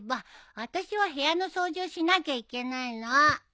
あたしは部屋の掃除をしなきゃいけないの。